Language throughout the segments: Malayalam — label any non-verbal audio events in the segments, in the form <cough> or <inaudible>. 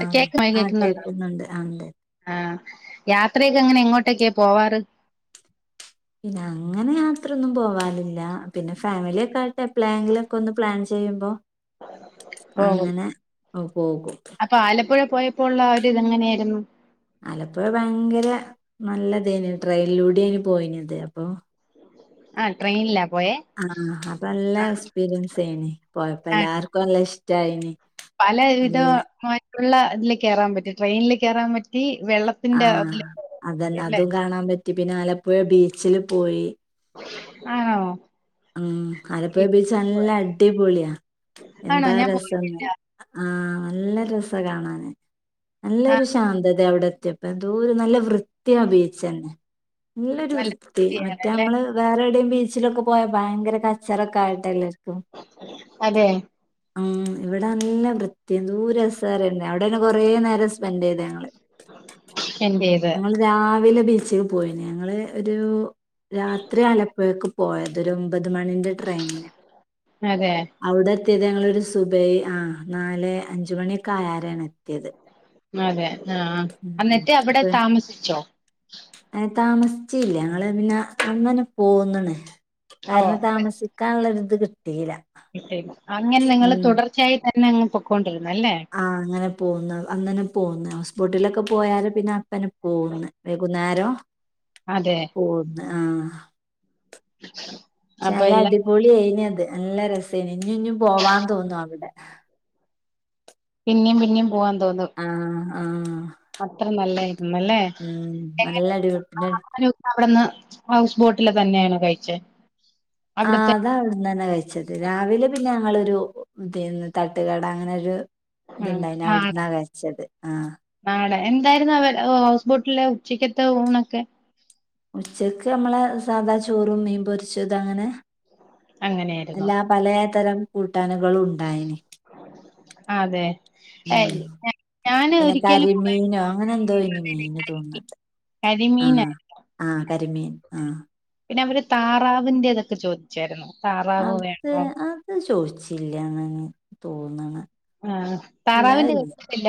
ആഹ് കേക്കമായി ആഹ് കേക്കുന്നുണ്ടോ കേൾക്കുന്നുണ്ട് ആഹ് ഉണ്ട് ആ യാത്രയൊക്കെ എങ്ങനെ എങ്ങോട്ടൊക്കെയാ പോവാറ് പിന്നെ അങ്ങനെ യാത്രൊന്നും പോവാനില്ല പിന്നെ ഫാമിലിയ ഒക്കെ ആയിട്ട് എപ്ലോങ്കിലും ഒക്കെ ഒന്ന് പ്ലാൻ ചെയ്യുമ്പോ പോകും അങ്ങനെ പോകും അപ്പൊ ആലപ്പുഴ പോയപ്പോ ഉ ഒരിത് എങ്ങനെയായിരുന്നു ആലപ്പുഴ ഭയങ്കര നല്ലതേനി ട്രെയിനിലൂടെ ആന് പോയിനിയത് അപ്പൊ ആ് ട്രെയിൻലാ ആഹ അപ്പൊ നല്ല എക്സ്പീരിയൻസ് ഏനി പോയപ്പോ എല്ലാർക്കും നല്ല ഇഷ്ട ട്ടായിനി പല വിധം ള്ള ഇതിലേ കയറാൻ പറ്റി ട്രെയിൻൽേ കയറാൻ പറ്റി ആ വെള്ളത്തിന്റെ അതില് അതന്നെ അല്ലേ അതും കാണാൻ പറ്റി പിന്നെ ആലപ്പുഴ ബീച്ച് ച്ചില് പ്പോയി ആണോ ഉം ആലപ്പുഴ ഈ- ബീച്ച് നല്ല അടിപൊളിയാ ആണോ എന്താ ഞാൻ പോയിട്ടില്ല രസംന്നറിയൊ ആ നല്ല രസാ കാണാന് നല്ലൊരു ആഹ് ശാന്തത അവിടെ പ്പ എന്തോരു നല്ല വൃത്തിയാ ബീച്ചേന്നെ നല്ലൊരു നല്ല വൃത്തി മറ്റേ വൃത്തിയാണല്ലേ നമ്മള് വേറെവിടെ ബീച്ചിലോക്കെ പോയ ഭയങ്കര ചെറക്കായിട്ടല്ലർക്കും അതെ ഉ ഇവിടെ നല്ല വൃത്ത്യാ എന്തൊരു രസാര് ന്നെ അവിടെന്നെ കൊറേ നേരം സ്‌പെന്റ് ചെയതങ്ങള് എന്റേത് ഞങ്ങൾ രാവില ബീച്ചേക്ക് പോയീന് ഞങ്ങള് ഒരു രാത്രി ആനപ്പോഴേക്കും പോയ ഒരു ഒമ്പത് മണിന്റെ ട്രെയിന് അതെ എത്തിയത് ഞങ്ങളൊരു സുബൈ ആ നാല് അഞ്ച് മണിയൊക്കെ ആയേരാണ് അതെ ആ ഉം എന്നിട്ട് അവിടെ അപ്പൊ താമസിച്ചോ ഏ താമസിച്ചില്ല ഞങ്ങള് പിന്നെ അന്നനെ പോന്ന്ണ് കാരണം താമസിക്കാനുള്ള ത് കിട്ടീല അങ്ങനെ നിങ്ങള് തുടർച്ചയായി തന്ന തന്നെ പോക്കൊണ്ട് ആഹ അങ്ങനെ പോകുന്ന അങ്ങനെ പോന്ന് സ്കോട്ടില് പോയാൽ പിന്നെ അപ്പന്നെ പോന്ന് വൈകുന്നേരം അതെ ആഹ <inaudible> പക്ഷേ നല്ല എല്ലാം അടിപൊളി അയിന്ന് അത് നല്ല രസേന്ന് ഇഞ്ഞും ഇഞ്ഞും പോവാന്ന് തോന്നും അവിടെ പിന്നെയും പിന്നേും പോവാ തോന്നും ആഹ് ആഹ് അത്ര നല്ല <unintelligible> ഉം നല്ല അടിപൊളി പിന്നെ ആക്കെ അവിടെന്ന് ഹൗസ് ബോട്ടില് തന്നെയാണ് കഴിച്ചത് ആ അതാ അവിടുന്ന് തന്നെ കഴിച്ചത് രാവിലെ പിന്നെ <unintelligible> ഞങ്ങളൊരു ഇത് തട്ടുകട അങ്ങനെരു ഉം ഇത്ണ്ടായിന് അവിട്ന്നാ നാടൻ കഴിച്ചത് ആഹ നാടൻ എന്തായിരുന്നു അവര് ഹൗസ് ബോട്ടിലെ ഉച്ചക്കത്തെ ഊണൊക്കെ ഉച്ചക്ക് നമ്മളെ സാധാ ചോറും മീൻ പൊരിച്ചതും അങ്ങനെ അങ്ങനെയായിരുന്നോ അല്ല പലേ തരം കൂട്ടാനുകള് ഉണ്ടായിന്ന് അതെ ഉം ഏയ് ഞാ- ഞാന് പിന്നെ ഒരിക്കലും പോയ കരിമീനോ അങ്ങനെ എന്തോ ഇനി മീന് തോന്നുന്നുണ്ട് ഉം കരിമീനായിരുന്നു ആ കരിമീൻ ആ പിന്നെ അവര് താറാവിന്റെതൊക്കെ ചോദിച്ചായിരുന്നു താറാവ് അത് വേണോ അത് ചോദിച്ചു ചോദിച്ചില്ലാന്ന് തോന്നണ് ആഹ താറാവിന്റെ ഇല്ലാതില്ല കഴപ്പം ഇല്ല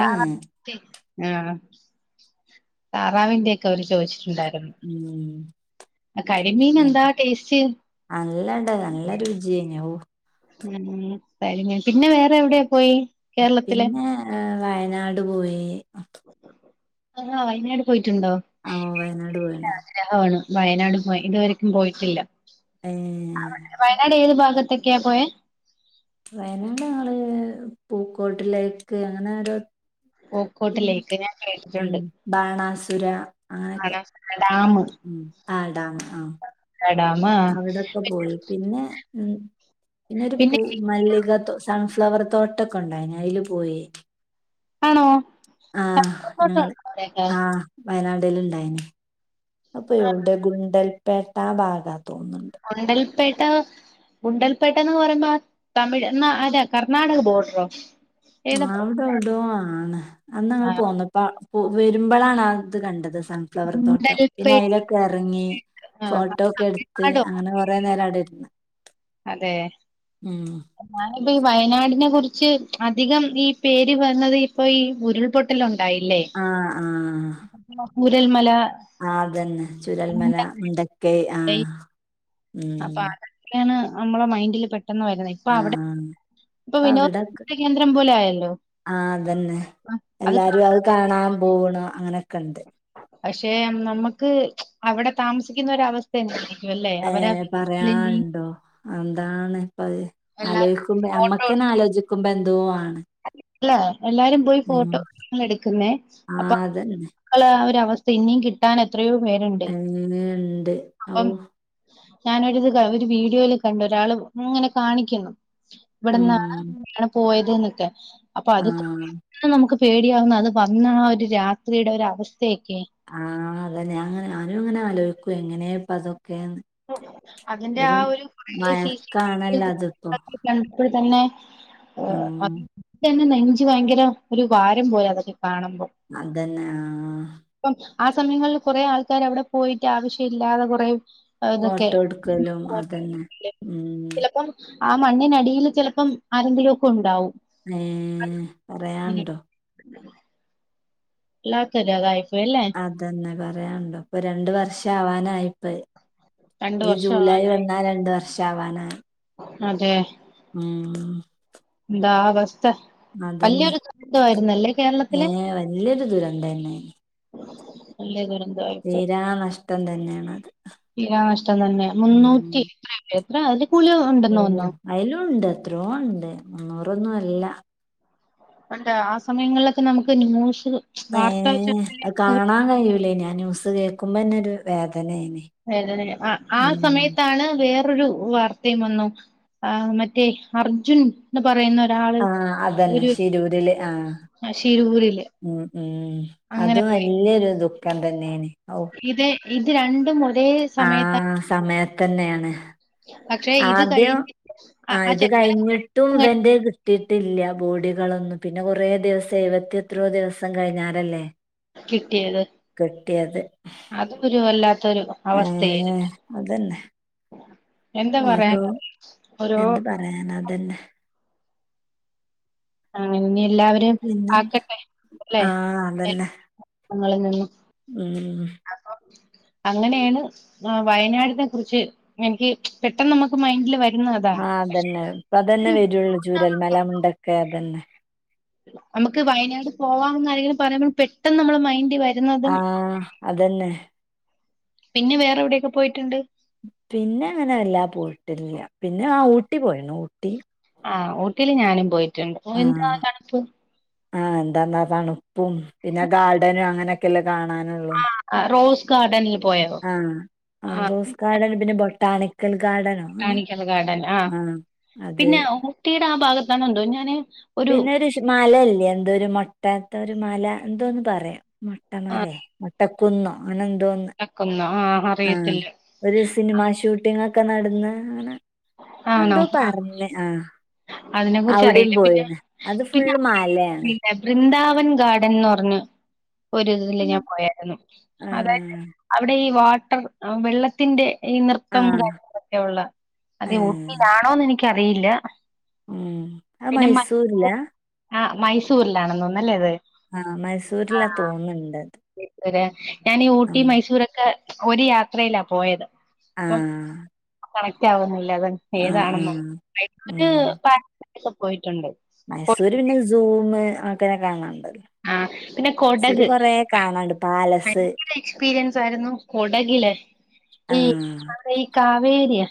താറാ ആഹ് താറാവിന്റെ ഒക്കെ അവര് ചോദിച്ചിട്ടുണ്ടായി ഉം കരിമീൻ എന്താ ടേസ്റ്റ് ആ നല്ലണ്ട് നല്ല രുചിയെനു ഉ <unintelligible> പിന്നെ വേറെ എവിടെയാ പോയി കേരളത്തിലെ പിന്നെ ഏഹ് വയനാട് പോയി ആഹാ വയനാട് പോയി റ്റുണ്ടോ ആഹ് വയനാട് പോയിണ് ആഗ്രഹാണ് വയനാട് പോയി ഇതുവരക്കും പോയിട്ടില്ല ഏഹ് വയനാട് ഏതു ഭാഗത് <unintelligible> പോയേ വയനാട് ഞങ്ങള് പൂക്കോട്ട് ലേക്ക് അങ്ങനെ ഒരോ പൂക്കോട്ട് ലെയ്ക്ക് ഞാൻ കേട്ടിട്ടുണ്ട് ബാണാസുര അങ്ങനെയൊക്കെ <unintelligible> ഉം ആടാ ആ ഡാം ആഹ് അവിടൊക്കെ പോയി പിന്നെ ഉം പിന്നൊരു പൂ പിന്നെ മല്ലികത്തോ സൺ ഫ്ലവർ തോട്ടൊക്കെ ഉണ്ടായിന് അയില് പോയി ആണോ ആ നിങ്ങള് അവിടെ ഒക്കെ ആ വയനാടിലിണ്ടായിന് അപ്പോ എവിടെ ഗുണ്ടൽ പേട്ടാ ഭാഗാന്ന്‌ തോന്നു ഗുണ്ടൽപേട്ട ഗുണ്ടൽപേട്ടാന്ന് പറയുമ്പോ തമിഴ് നാടാ ആ അവിടെ എവിടോ ആണ് അന്നങ്ങള് ആഹ് പോന്നപ്പ പോ വരുമ്പോളാണ് അത് കണ്ടത് സൺഫ്ലവർ തോട്ടം പിന്നെ ഗുണ്ടൽപേട്ട് അയിലൊക്കെ എറങ്ങി ആഹ് ഫോട്ടോ ഒക്കെ എടുത്ത് തമിഴ്നാടോ അങ്ങനെ കൊറേ നേരം അവിടെ ഇരുന്നു അതെ ഉം <unintelligible> ഈ വയനാടിനെ കുറിച്ച് അധികം ഈ പേര് വന്നത് ഇപ്പൊ ഈ ഉരുൾപൊട്ടലൊ ണ്ടായില്ലേ ആഹ് ആഹ് ഉരൽമലാ ആ അതന്നെ ചുരൽമല മുണ്ടക്കൈ ആഹ്. അപ്പ ഉം അതൊക്കെണ് നമ്മള മൈൻഡില് പെ ആ പ്പ വിനോദ അവിടൊക്കെ സഞ്ചാര കേന്ദ്രം പോലെ ആയല്ലോ ആ അതന്നെ ആ, അത് എല്ലാരും അഅ് കാണാൻ പോവ്ണു അങ്ങനെ കണ്ട്. പഷേ നമ്മക്ക് അവിടെ താമസിക്കുന്നൊരവസ്ഥ എ വെല്ലെ അവരാ അന്താണ്. പ്പത് ആലോയിക്കുമ്പ അമ്മക്കന്ന ആലോചിക്കുമ്പോ എന്തോ ആണ്. അല്ല എല്ലാരും പോയി ഉം ഫോട്ടോ എടുക്കുന്നേ അപ്പൊ ആഹ് <unintelligible> അതന്നെ അവരവസ് സിന്നിം കിട്ടാനെ ത്രയോ പേര് ഇണ്ട് അങ്ങനെയുണ്ട് ഔ അപ്പം. ഞാനൊരുത് ക ഒരു വീഡിയോയില് കണ്ട് ഒരാൾ ഇങ്ങനെ കാണിക്ക്ന്ന് ഇവിടെന്നാണ് ഉം <unintelligible> പോയത്. <unintelligible> അപ്പൊ അത് ആഹ് നമുക്ക് പേടിയാവുന്ന അത് വന്ന ആ ഒരു രാത്രിയുടെ ഒരു അവസ് ആ അത ആ ഞാനും ഇങ്ങനെ ആലോയിക്കും എങ്ങനെപതൊ അതിന്റെ ആ ഒരു കുറെ സീ സീ ടി മയക്കാണല്ലോ അതിപ്പോ <unintelligible> <unintelligible> തന്നെ ഉം <unintelligible> നെഞ്ച് ഭയങ്കര ഒരു ഭാരം പോല അത അതന്നെ ആ ഇപ്പം ആ സമയങ്ങളിൽ കൊറെ ആൾക്കാര് അവിടെ പോയിട്ട് ആവശ്യ ഇല്ലാതെ കുറേ ഫോട്ടോ എടുക്കലും അതന്നെ ഉം ചിലപ്പം ആ മണ്ണിനടിൽ ചിലപ്പം ആരെങ്കിലോക്കെ ഉണ്ടാവും ഏ പറയാണ്ടോ <unintelligible> അതന്നെ <unintelligible> പറയാണ്ടോ ഇപ്പൊ രണ്ട് വർഷം ആവാനായിപ്പത് രണ്ട് ഈ വർഷം ജൂലൈ വന്നാ രണ്ട് വർ ഷാവാനായി. അതേ. ഉം. ന്താ ബസ് ത്തെ അതന്നെ വല്യൊരു <unintelligible> വായിരുന്നല്ലേ കേരളത്തിലെ ദുരന്തനി <unintelligible> തീരാ നഷ് ടം തന്നെയാണത് തീരാനഷ്ടം തന്നെയാ മുന്നൂറ്റി ഉം എത്ര <unintelligible> ഓ ഉണ്ടെന്ന് തോന്നുന്നു അയിലുണ്ട് എത്രോ ഉണ്ട് മുന്നൂറൊന്നും അല്ല ആ സമയങ്ങളിലൊക്കെ നമുക്ക് ഏ വാർത്താ അത് ചാനലിൽ കാണാൻ കഴുലേനി ആ ന്യൂസ് കേൾക്കുമ്പോന്നെ ഒരു വേദ വേദനയും ആ ആ സമയത്താണ് വേറെ വേറൊരു വാർത്തയും വന്നു മറ്റേ അർജുൻന്ന് പറയുന്ന ഒരാള് ആഹ അതന്നെ ഒരു ഷിരൂരില് ആഹ ശിരൂരില് ഉം ഉം അതും വലിയൊരു ദുഃഖം ദുഃഖം തന്നെയാണ് ഇതേ ഇത് രണ്ടും ഒരേ സമയത്താ ആസമയത്തന്നെയാണ് പക്ഷെ ഇത് ആദ്യം കഴിഞ്ഞ് ആ ഇത് ചെക്കനെ കുറെ കഴിഞ്ഞിട്ടും ദിവസം കഴിഞ്ഞ് ഇവന്റെ കിട്ടിയിട്ടില്ല ബോഡികളൊന്നും പിന്നെ കുറേ ദിവസം എഴുപത്തി എത്രയോ ദിവസം കഴിഞ്ഞാലല്ലേ കിട്ടിയത് കിട്ടിയത്. അതൊക്കൊരു വല്ലാത്ത അതന്നെ എന്താ ഓരോ പറയാന ഓരോ എന്ത് പറയാന അതന്നെ അ ഇനി എല്ലാവരും പിന്നെ ആക്കട്ടെ ല്ലെ ആഹ് അതന്നെ ഞങ്ങളിൽ നിന്നും ഉം അപ്പൊ അങ്ങനെയാണ് വയനാടിനെ കുറിച്ച് എനിക്ക് പെട്ടെന്ന് നമുക്ക് മൈൻഡില് വര ആ അതന്നെ ഇപ്പ അതന്നെ വരുള്ളൂ ചൂരൽ മല മുണ്ടക്കൈ അതന്നെ നമുക്ക് വയനാട് പോവാം ന്നൊക്കെ ആരേലും പറയുമ്പോ പെട്ടെന്ന് നമ്മളെ മൈന്റ്ല് വര ആ അതെന്നെ പിന്നെ വേറെ എവിടൊക്കെ പോയിട്ടുണ്ട് പിന്നെ അങ്ങനെ വല്ലാതെ പോയിട്ടില്ല. പിന്നെ ആ ഊട്ടി പോയി ണു ഊട്ടി ആ ഊട്ടീല് ഞാനും പോയി് എന്താ തണുപ്പ് ആ എന്താന്നോ തണുപ്പും പിന്നെ ഗാർഡനും അങ്ങനെയൊക്കെല്ല കാണാനൊള്ളൂ. ആ റോസ് ഗാർഡനിൽ പോയോ ആ ആ റോസ് ഗാർഡ് അ <unintelligible> പിന്നെ, ബൊട്ടാണിക്കൽ ഗാർഡനോ അങ്ങനെ ബൊട്ടാണിക്കൽ ഗാർഡൻ ആ ആഹ് അത് പിന്നെ മുട്ടിയുടെ ആ ഭാഗ ത്താണെന്തോ ഞാന് ഒരു പിന്നെരു ഷ് മലൽ എന്തോ ഒരു മൊട്ടാത്തെ ഒരു മല എന്തോന്ന് പറയാ ആ മൊട്ടമലേ മൊട്ട കുന്നോ അങ്ങനന്തോന്ന് നടക്കുന്നു ആ ആ അറിയത്തില്ല ഒരു സിനിമ ഷൂട്ടിങ്ങ് ഒ ഒക്കെ നടന്ന് അങ്ങനെ ആണോ എന്തോ ആ പറഞ്ഞ് ആ അതിനെ കുറിച്ച് അവടിം അറിയില്ല പിന്നെ പോയീന്ന്. അത് ഫുള്ള് മലെണ് വൃന്ദാവൻ ഗാർഡൻ ന്ന് പർഞ് ഒരുതില് ഞാൻ പോയായിരുന്നു അതായത് ആഹ് അവിടെ ഈ വാട് <unintelligible> വെള്ളത്തിന്റെ ഈ ആഹ് നൃത്തം ആഹ് കാര്യങ്ങളൊക്കെ ഉള്ള അത് ഏഹ് ഊട്ടിലാണോ <unintelligible> ക്കറിയില്ല ഉം അഹ് മൈസൂര്ല്ല ആ മൈസൂരിലാണെന്ന് തോന്നല്ലേ ആ മൈസൂരിലാ തോന്ന്ണ്ട് <unintelligible> ഞാൻ ഈ ഊട്ടി മൈസൂരക്കെ ഒര് യാത്രയിലാ പോയത് ആ കണക്റ്റ് ആവുന്നി <unintelligible> ഏതാണെന്നോ മൈസൂര് ഉം <unintelligible> പോയിട്ടുണ്ട് പോയി- മൈസൂര് പിന്നെ സൂമ് ആക്കനെ കാണാണ്ട് ആ പിന്നെ കൊടഗ് ഭയ കാണാണ്ട് പാലസ് ഭയങ്കര എക്സ്പീരിയൻസ് ആയിരുന്നു കൊടകിലെ ഈ ആഹ് ഈ കാവേരിയ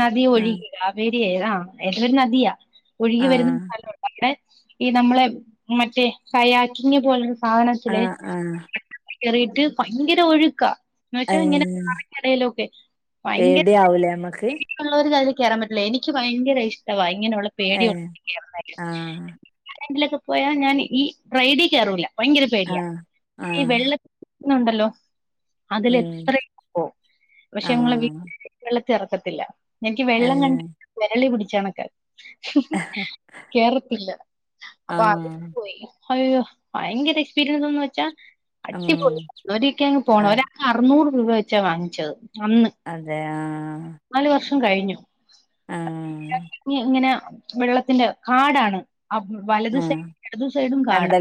നദി ആഹ് ഒഴികി കാവേ ഏ ആ ഏതോ ഒരു നദിയാ. ഒഴുകി വരുന്ന ആഹ് സ്ഥലമുണ്ട് അവിടെ ഈ നമ്മളെ മറ്റേ കയാ കിങ്ങ് പോലെ ആഹ് <unintelligible> ആഹ് കേറിയിട്ട് ഭയങ്കര ഒഴുക്കാ. എന്ന് വെച്ചാ ഇങ്ങനെ ഏഹ് പറേന്റെ ഇടയിലൊക്കെ ഭയങ്കര പേടിയാവൂലേ നമ്മക്ക് <unintelligible> കേറാൻ പറ്റില്ല എനിക്ക് ഭയങ്കര ഇഷ്ടമായി. അങ്ങനെയുള്ള പേടി ഏഹ് ആഹ് <unintelligible> പോയാൽ ഞാൻ ഈ റൈഡിൽ കയറൂല്ല. ഭയങ്കര പേടിയാ ആഹ് ഈ ആഹ് വെള്ള ഇന്നുണ്ടല്ലോ അതിൽ ഉം എത്രയും പോകും പക്ഷേ <unintelligible> ആഹ് ച്ചെറക്കത്തില്ല. എനിക്ക് വെള്ളം കണ്ട് ഏഹ് വിരളി പിടിച്ച ച്ചണക്കാ കേറത്തില്ല. അപ്പൊ അത് ആഹ് പോയി. അയ്യോ ഭയങ്കര എക്സ്പീരിയൻസ്ന്ന് വെച്ചാ അടിപൊളി ഉം ഒരിക്കെ അങ്ങ് പോണം അ ഒരാക്ക് അറുന്നൂറ് വെച്ചാ വാങ്ങിച്ചത്. അന്ന് അതെ ആഹ് നാല് വർഷം കഴിഞ്ഞു. ആഹ് ഇങ്ങനെ വെള്ളത്തിന്റെ കാടാണ്. വലത് ആഹ് സൈഡും ഇടതു സൈഡും കാടാ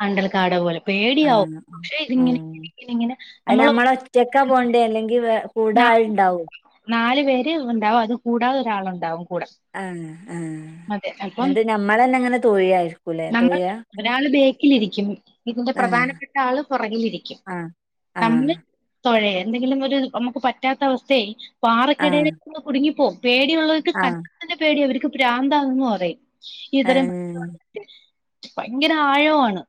കണ്ടൽ താട പോലെ ആ പേടിയാവും പക്ഷെ ഇതിങ്ങനെ ഉം ഇങ്ങനെ ഇങ്ങനെ അത് നമ്മൾ നമ്മള് ഒറ്റക്കാ പോണ്ടേ അല്ലെങ്കി വേ കൂടാളിണ്ടാവും. നാല് പേര് ഉണ്ടാവും അത് കൂടാതെ ഒരാളുണ്ടാവും. കൂടെ ആഹ് ആഹ് അതെ അപ്പം എന്നിട്ട് നമ്മളന്നെ അങ്ങനെ തൊഴായിരിക്കൂലേ നമ്മൾ തൊഴാ അങ്ങനെ ഒരാള് ബേക്കിലിരിക്കും ഇതിന്റെ ആഹ് പ്രധാനപ്പെട്ട ആള് പുറകിലിരിക്കും ആഹ് ആഹ് നമ്മള് തൊഴയ എന്തെങ്കിലും ഒരു നമു പറ്റാത്ത അവസ്ഥായി ആഹ് പാറക്കിടയിലേ ങ്ങ് കുടുങ്ങിപ്പോവും പേടിയുള്ളവർക്ക് ക <unintelligible> ആഹ് തന്നെ പേടി അവർക്ക് പ്രാന്താന്ന് പറയും ഇതരം ഏഹ് ഭയങ്കര ആഴം ആണ്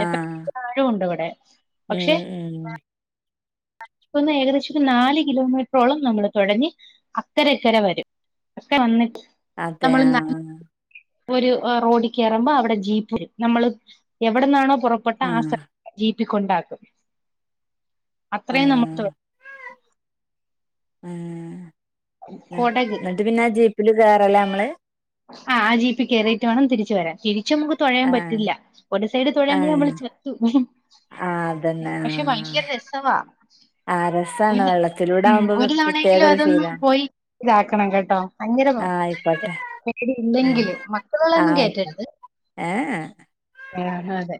ആഹ് എത്രയോ ആഴുണ്ട് അവിടെ ഉം ഉം ന്ന് ഏകദേശം ഒരു നാല് കിലോമീറ്ററോളം നമ്മള് തൊഴഞ്ഞ് അക്കരഇക്കര വരും അക്കര വന്നിട്ട് അതെ നമ്മൾ ആഹ ഒരു റോഡിൽ കേറുമ്പോൾ അവിടെ ജീപ്പ് വരുംനമ്മള് എവിടന്നാണോ പുറപ്പെട്ട ആ ആഹ് സ്ഥലത്ത് ജീപ്പ് <unintelligible> ട്ടീ ക്കൊണ്ടാക്കും അത്രയും നമ്മ <unintelligible> ആഹ് ആഹ <unintelligible> എന്നിട്ട് പിന്നെ ജീപ്പില് കേയറല്ലേ നമ്മള് ആ ആ ജീപ്പി കയറിയിട്ട് വേണം തിരിച്ചു വരാൻ തിരി ച്ചും നമുക്ക് തൊഴയാൻ ആഹ് പറ്റില്ല ഒരു സൈഡ് തൊഴയ്പോ നമ്മള് ആഹ് ചെത്തു ആഹ് അതന്നെ പക്ഷെ ഭയങ്കര ആഹ് രസവാ ആഹ് <unintelligible> രസാണ് ഉം വെള്ളത്തിലൂടെ ആവുമ്പോ ഒരു പ്രത്യേക തവണയെങ്കിലും ഒരു അതൊന്ന് ഫീലാണ് പോയി ഇതാക്കണം കേട്ടോ അങ്ങര പോ ആഹ് ആയിക്കോട്ടെ പേടി ഇല്ലെങ്കില് മക്കളള്ളൊന്നും കേറ്റരുത് ഏ ആ അതെ